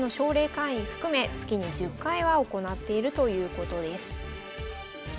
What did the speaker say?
会員含め月に１０回は行っているということです。